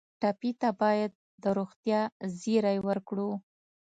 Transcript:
ټپي ته باید د روغتیا زېری ورکړو.